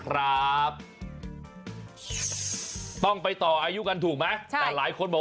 รักฯครับ